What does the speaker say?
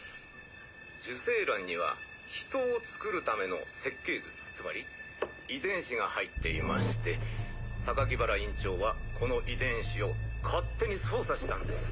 受精卵には人をつくるための設計図つまり遺伝子が入っていまして原院長はこの遺伝子を勝手に操作したんです。